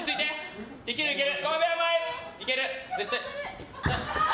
いける、いける！